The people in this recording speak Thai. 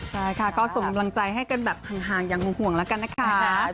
ใช่ค่ะก็ส่งกำลังใจให้กันแบบห่างอย่างห่วงแล้วกันนะคะ